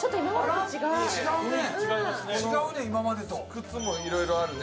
靴もいろいろあるね。